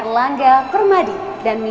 terima kasih bayi dan bu